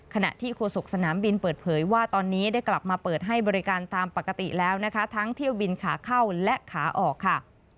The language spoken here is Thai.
ขณะที่โฆษกสนามบินเปิดเผยว่าตอนนี้ได้กลับมาเปิดให้บริการตามปกติแล้วนะคะทั้งเที่ยวบินขาเข้าและขาออกค่ะ